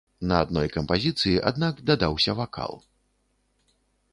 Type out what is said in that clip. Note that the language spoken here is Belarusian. На адной кампазіцыі, аднак, дадаўся вакал.